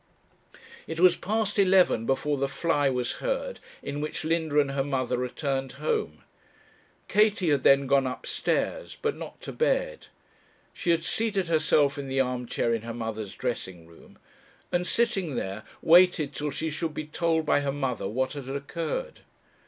It was past eleven before the fly was heard in which Linda and her mother returned home. Katie had then gone upstairs, but not to bed. She had seated herself in the arm chair in her mother's dressing room, and sitting there waited till she should be told by her mother what had occurred.